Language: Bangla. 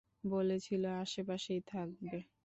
বলেছিলো আশেপাশেই থাকবে।